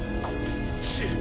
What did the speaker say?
チッ。